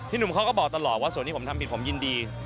หนุ่มเขาก็บอกตลอดว่าส่วนที่ผมทำผิดผมยินดี